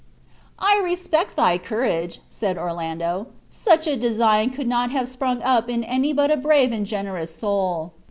"I respect thy courage," said Orlando; "such a design could not have sprung up in any but a brave and generous soul.